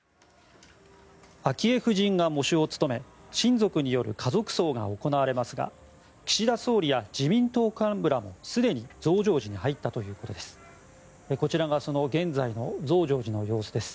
昭恵夫人が喪主を務め親族による家族葬が行われますが岸田総理や自民党幹部らもすでに増上寺に入ったということです。